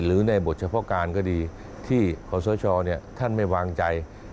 หรือในบทเฉพาะการก็ดีที่ขอสชท่านไม่วางใจ